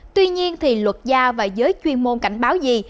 tuy nhiên thì luật gia và giới chuyên môn cảnh báo gì